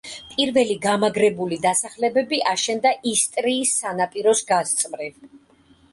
პირველი გამაგრებული დასახლებები აშენდა ისტრიის სანაპიროს გასწვრივ.